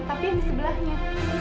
tapi yang di sebelahnya